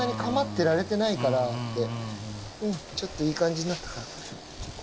うんちょっといい感じになったかな？